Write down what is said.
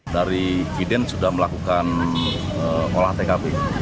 dari viden sudah melakukan olah tkp